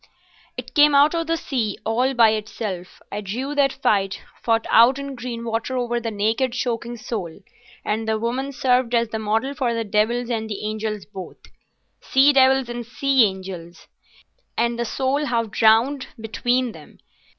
It came out of the sea—all by itself. I drew that fight, fought out in green water over the naked, choking soul, and the woman served as the model for the devils and the angels both—sea devils and sea angels, and the soul half drowned between them.